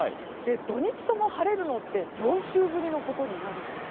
土日とも晴れるのって４週ぶりのことになるんです。